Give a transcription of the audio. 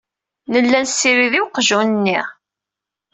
Nella nessirid i uqjun-nni.